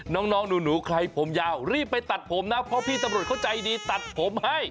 น้องหนูใครผมยาวรีบไปตัดผมนะเพราะพี่ตำรวจเขาใจดีตัดผมให้